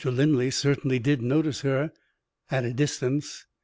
Linley certainly did notice her at a distance.